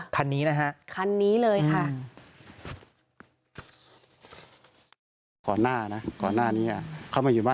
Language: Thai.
คันนี้นะครับ